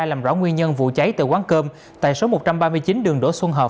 làm rõ nguyên nhân vụ cháy tại quán cơm tại số một trăm ba mươi chín đường đỗ xuân hợp